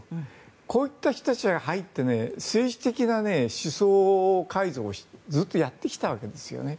こういった人たちが入って政治的な思想改造をずっとやってきたわけですよね。